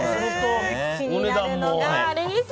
気になるのがあれですね。